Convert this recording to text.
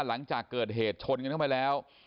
หลังจากเกิดเหตุชนกันเข้าไปแล้ว